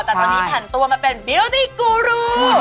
แต่ตอนนี้ผ่านตัวมาเป็นบิวตี้กูรู